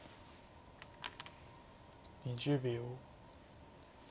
２０秒。